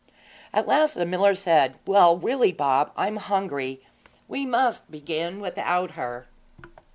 At last the miller said, 'Well, really, Bob, I'm hungry; we must begin without her.'